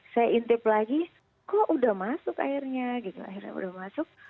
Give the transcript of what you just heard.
saya intip lagi kok udah masuk airnya gitu akhirnya udah masuk